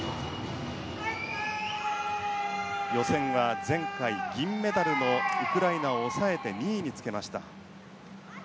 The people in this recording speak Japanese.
予選が前回銀メダルのウクライナを抑えて２位につけました。